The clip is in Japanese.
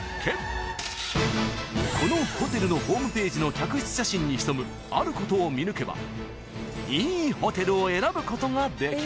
［このホテルのホームページの客室写真に潜むあることを見抜けばいいホテルを選ぶことができる］